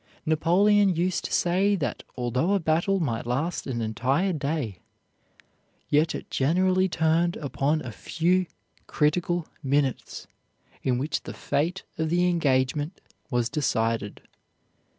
Napoleon used to say that although a battle might last an entire day, yet it generally turned upon a few critical minutes, in which the fate of the engagement was decided.